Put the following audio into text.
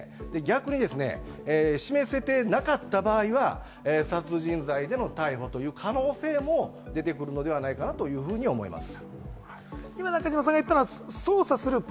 逆に示せていなかった場合は殺人罪での逮捕という可能性も出てくるのではないかなというふうに思います。